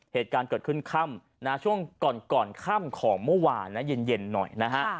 เหตุการณ์เกิดขึ้นค่ำช่วงก่อนค่ำของเมื่อวานนะเย็นหน่อยนะฮะ